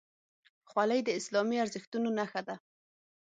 خولۍ د اسلامي ارزښتونو نښه ده.